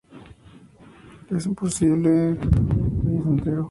es imposible encarcelar a un país entero